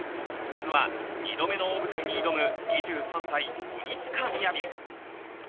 まずは、２度目の大舞台に挑む２３歳、鬼塚雅。